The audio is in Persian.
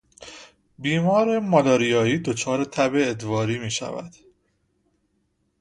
بیمار مالاریایی دچار تب ادواری میشود.